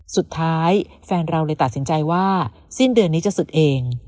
แฟนเราเลยตัดสินใจว่าสิ้นเดือนนี้จะศึกเอง